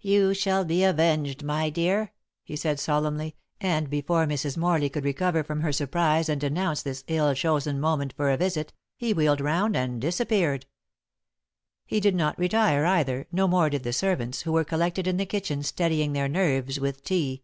"You shall be avenged, my dear," he said solemnly, and before Mrs. Morley could recover from her surprise and denounce this ill chosen moment for a visit, he wheeled round and disappeared. He did not retire either, no more did the servants, who were collected in the kitchen steadying their nerves with tea.